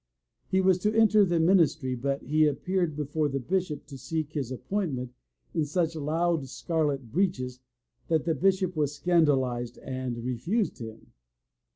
He was to enter the min istry, but he appeared before the Bishop to seek his appointment in such loud scarlet breeches that the Bishop was scandalized and refused him.